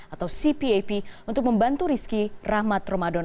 atau cpap untuk membantu rizky rahmat ramadan